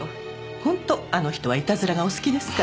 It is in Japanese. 本当あの人はいたずらがお好きですから。